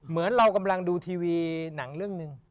เหมือนเรากำลังดูทีวีหนังเรื่องหนึ่ง